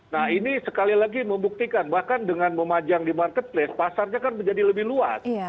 nah ini sekali lagi membuktikan bahkan dengan memajang di marketplace pasarnya kan menjadi lebih luas